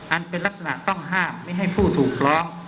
อันเป็นลักษณะต้องห้ามไม่ให้ผู้ถูกร้อง